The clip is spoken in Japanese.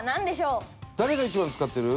誰が一番使ってる？